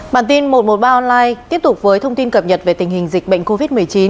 bản tin một trăm một mươi ba online tiếp tục với thông tin cập nhật về tình hình dịch bệnh covid một mươi chín